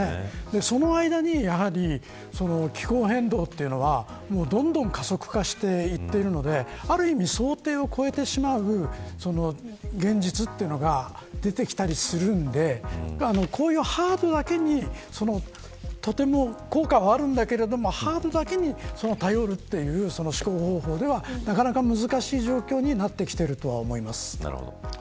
その間にやはり気候変動というのはどんどん加速化をしていっているのである意味、想定を超えてしまう現実というのが出てきたりするんでこういうハードだけにとても効果はあるんだけどハードだけに頼るという思考方法ではなかなか難しい状況になってきていると思います。